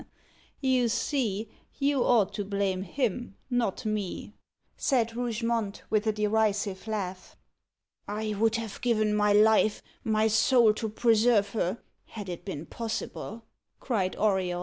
"You see you ought to blame him, not me," said Rougemont, with a derisive laugh. "I would have given my life, my soul, to preserve her, had it been possible!" cried Auriol.